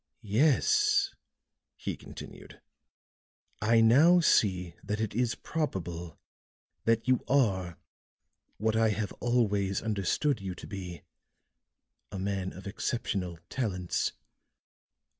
"Yes," he continued, "I now see that it is probable that you are what I have always understood you to be a man of exceptional talents.